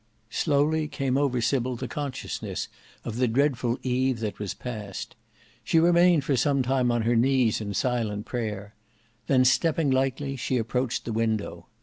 Slowly came over Sybil the consciousness of the dreadful eve that was past. She remained for some time on her knees in silent prayer: then stepping lightly, she approached the window.